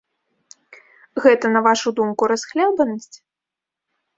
Гэта, на вашу думку, расхлябанасць?